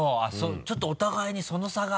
ちょっとお互いにその差が。